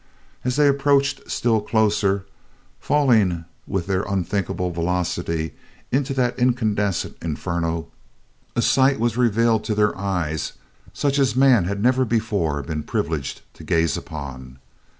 As they approached still closer, falling with their unthinkable velocity into that incandescent inferno, a sight was revealed to their eyes such as man had never before been privileged to gaze upon.